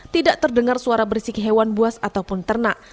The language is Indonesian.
tidak terdengar suara berisiki hewan buas ataupun ternak